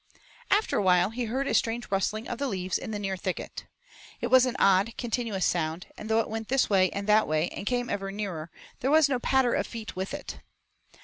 After a while he heard a strange rustling of the leaves in the near thicket. It was an odd, continuous sound, and though it went this way and that way and came ever nearer, there was no patter of feet with it.